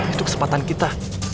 itu kesempatan kita